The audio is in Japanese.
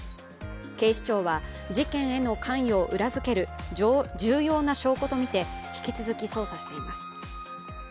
警視庁は事件への関与を裏づける重要な証拠とみて引き続き捜査しています。